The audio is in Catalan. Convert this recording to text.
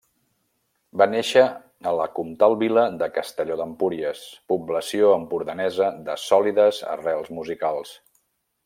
Va néixer a la comtal vila de Castelló d'Empúries, població empordanesa de sòlides arrels musicals.